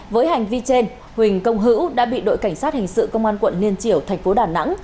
với hành vi trên huỳnh công hữu đã bị đội cảnh sát hình sự công an quận liên triểu thành phố đà nẵng